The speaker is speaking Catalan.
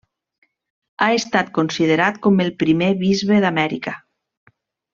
Ha estat considerat com el primer bisbe d'Amèrica.